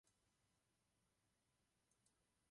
Mluví anglicky a francouzsky a je katolička.